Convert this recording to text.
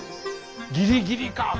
ギリギリか！